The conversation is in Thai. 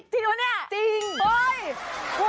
จริงปะเนี่ย